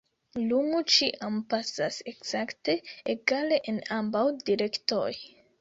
Lumo ĉiam pasas ekzakte egale en ambaŭ direktoj.